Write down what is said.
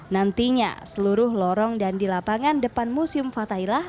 nantinya seluruh lorong dan di lapangan depan museum fathailah